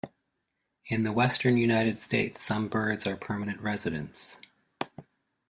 In the western United States, some birds are permanent residents.